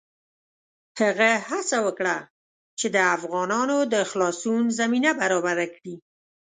هغه هڅه وکړه چې د افغانانو د خلاصون زمینه برابره کړي.